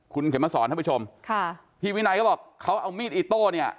คุณเข็มมาสอนท่านผู้ชมค่ะพี่วินัยก็บอกเขาเอามีดอิโต้เนี่ย